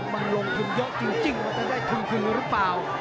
มันลงถึงเยอะจริงว่าจะได้ถึงขึ้นหรือเปล่า